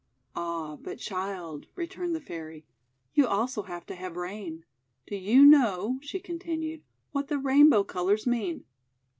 "Ah, but, Child," returned the Fairy, "you also have to have rain. — Do you know," she con tinued, "what the Rainbow colours mean?'